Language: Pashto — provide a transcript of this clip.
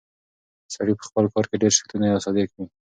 سړی په خپل کار کې ډېر ریښتونی او صادق و.